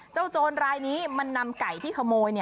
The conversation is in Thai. โจรรายนี้มันนำไก่ที่ขโมย